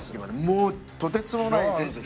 もうとてつもない選手。